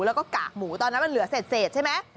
แล้วก็กากหมูตอนนั้นมันเหลือเศษใช่ไหม